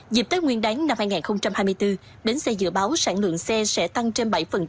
dịp tết nguyên đáng năm hai nghìn hai mươi bốn bến xe dự báo sản lượng xe sẽ tăng trên bảy